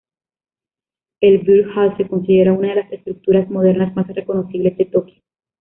El Beer Hall se considera una de las estructuras modernas más reconocibles de Tokio.